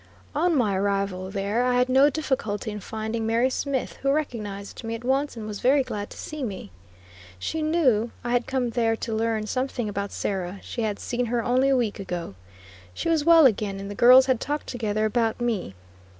On my arrival there I had no difficulty in finding Mary Smith, who recognized me at once, and was very glad to see me. She knew I had come there to learn something about Sarah; she had seen her only a week ago; she was well again, and the girls had talked together about me.